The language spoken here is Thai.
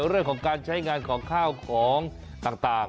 เรื่องของการใช้งานของข้าวของต่าง